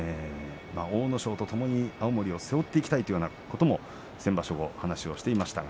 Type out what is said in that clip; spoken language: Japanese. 阿武咲とともに青森を背負っていきたいという話を先場所していました。